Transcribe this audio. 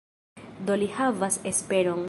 Do li havas esperon.